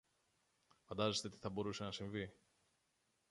Φαντάζεστε τι θα μπορούσε να συμβεί;